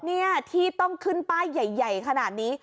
นี่ที่ต้องขึ้นป้ายใหญ่ขนาดนี้